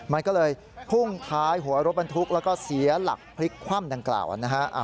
มันก็เลยพุ่งท้ายหัวรถบรรทุกแล้วก็เสียหลักพลิกคว่ำดังกล่าวนะฮะ